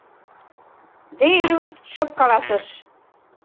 — де Рюйт шып каласыш